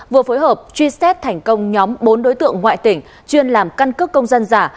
vừa phối hợp truy xét thành công nhóm bốn đối tượng ngoại tỉnh chuyên làm căn cước công dân giả